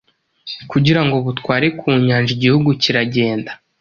kugira ngo butware ku Nyanja igihugu kiragenda